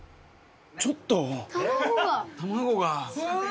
ちょっと卵が。